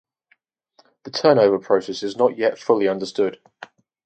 The turnover process is not yet fully understood.